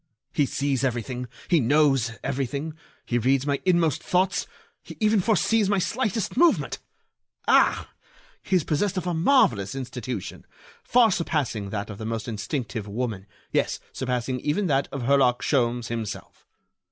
He sees everything; he knows everything; he reads my inmost thoughts; he even foresees my slightest movement. Ah! he is possessed of a marvellous intuition, far surpassing that of the most instinctive woman, yes, surpassing even that of Herlock Sholmes himself.